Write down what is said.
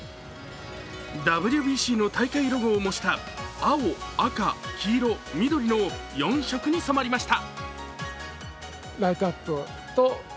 ＷＢＣの大会ロゴを模した青、赤、黄色、緑の４色に染まりました。